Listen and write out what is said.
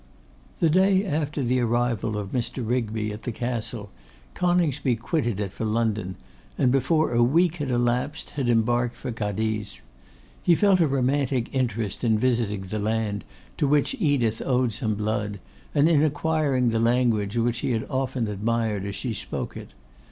The day after the arrival of Mr. Rigby at the Castle, Coningsby quitted it for London, and before a week had elapsed had embarked for Cadiz. He felt a romantic interest in visiting the land to which Edith owed some blood, and in acquiring the language which he had often admired as she spoke it.